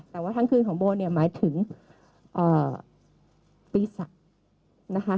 แต่ว่าทั้งคืนของโบหมายถึงตี๓นะคะ